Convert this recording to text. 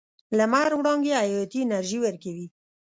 لمر وړانګې حیاتي انرژي ورکوي.